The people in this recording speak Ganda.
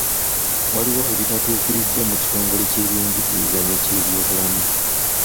Waliwo ebitatuukiridde mu kitongole ky'ebyenjigiriza n'ekyebyobulamu.